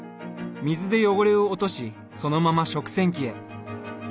水で汚れを落としそのまま食洗機へ。